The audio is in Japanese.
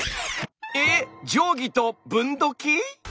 えっ定規と分度器？